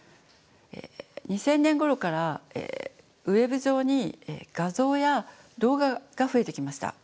２０００年ごろからＷｅｂ上に画像や動画が増えてきました。